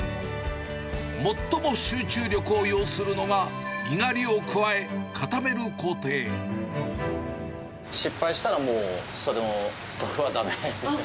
最も集中力を要するのが、失敗したら、もう、その豆腐はだめ。